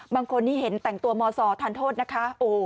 บางคนนี่เห็นแต่งตัวมศทานโทษนะคะ